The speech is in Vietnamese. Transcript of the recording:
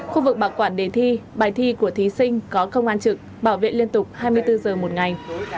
khu vực bảo quản đề thi bài thi của thí sinh có công an trực bảo vệ liên tục hai mươi bốn giờ một ngày